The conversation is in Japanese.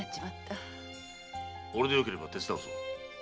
俺でよければ手伝うぞ。